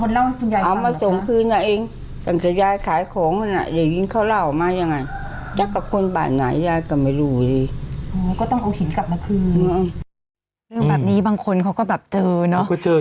เรื่องแบบนี้บางคนเขาก็แบบเจอเนอะ